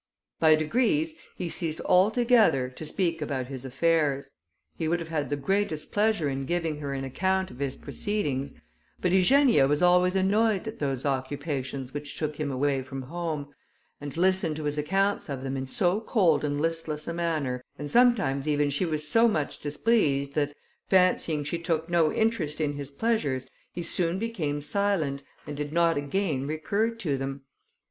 By degrees he ceased altogether to speak about his affairs. He would have had the greatest pleasure in giving her an account of his proceedings, but Eugenia was always annoyed at those occupations which took him away from home, and listened to his accounts of them in so cold and listless a manner, and sometimes even she was so much displeased, that, fancying she took no interest in his pleasures, he soon became silent, and did not again recur to them.